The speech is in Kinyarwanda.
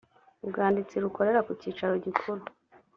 ubwanditsi rukorera ku cyicaro gikuru